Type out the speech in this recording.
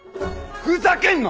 ふざけんな！